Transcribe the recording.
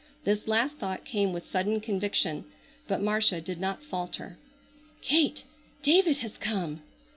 This last thought came with sudden conviction, but Marcia did not falter. "Kate, David has come!"